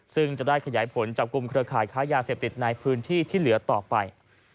ซึ่งจะได้ขยายผลจับกลุ่มเครือข่ายค้ายาเสพติดในพื้นที่ที่เหลือต่อไป